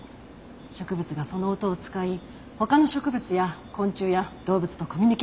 植物がその音を使い他の植物や昆虫や動物とコミュニケーションをとっている。